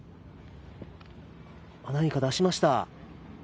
何か出しました。